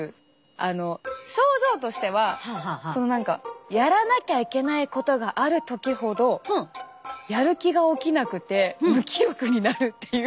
あの症状としてはその何かやらなきゃいけないことがある時ほどやる気が起きなくて無気力になるっていう。